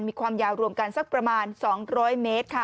มีความยาวรวมกันสักประมาณ๒๐๐เมตรค่ะ